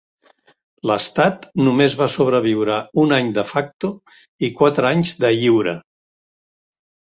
L'estat només va sobreviure un any "de facto" i quatre anys "de iure".